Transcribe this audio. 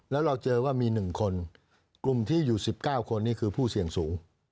แล้วเราเจอว่ามี๑คนกลุ่มที่อยู่๑๙คนนี่คือผู้เสี่ยงสูง